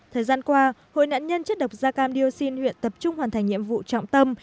thời gian qua hội nạn nhân chất độc da cam dioxin huyện tập trung hoàn thành nhiệm vụ trọng tâm